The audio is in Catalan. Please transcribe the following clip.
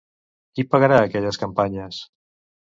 Qui pagarà aquelles campanyes?